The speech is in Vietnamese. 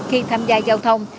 khi tham gia giao thông